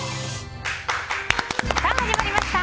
さあ、始まりました。